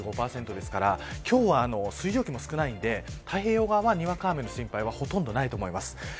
今日は水蒸気も少ないので太平洋側は、にわか雨の心配はほとんどないと思います。